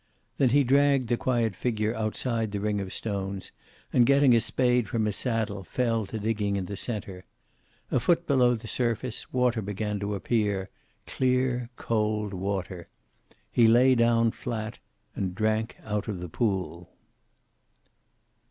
Then he dragged the quiet figure outside the ring of stones, and getting a spade from his saddle, fell to digging in the center. A foot below the surface water began to appear, clear, cold water. He lay down, flat and drank out of the pool.